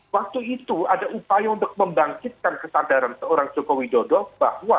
waktu itu ada upaya untuk membangkitkan kesadaran seorang joko widodo bahwa